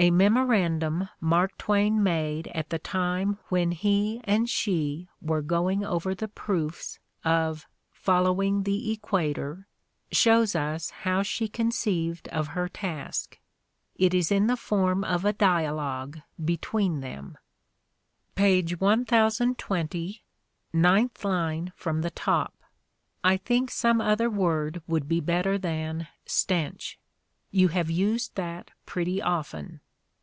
A memorandum Mark Twain made at the time when he and she were going over the proofs of "Following the Equator" shows us how she conceived of her task. It is in the form of a dialogue between them: Page 1,020, 9th line from the top. I think some other word would be better than "stench." You have used that pretty often.